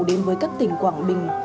đến với các tỉnh quảng bình